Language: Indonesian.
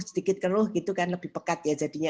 sedikit keruh itu kan lebih pekat jadinya